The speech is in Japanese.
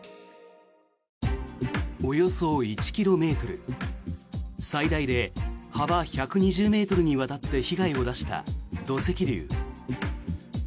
およそ１ｋｍ最大で幅１２０ｍにわたって被害を出した土石流。